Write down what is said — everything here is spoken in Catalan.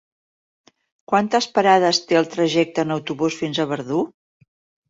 Quantes parades té el trajecte en autobús fins a Verdú?